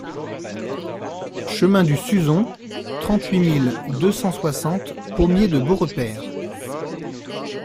Chemin du Suzon, trente-huit mille deux cent soixante Pommier-de-Beaurepaire